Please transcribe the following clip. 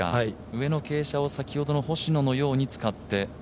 上の傾斜を先ほどの星野のように使って。